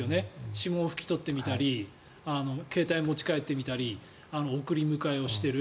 指紋を拭き取ってみたり携帯を持ち帰ってみたり送り迎えをしている。